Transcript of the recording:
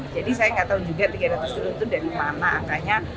jadi saya tidak tahu juga tiga ratus triliun itu dari mana akannya